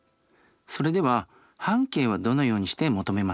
それでは半径はどのようにして求めますか？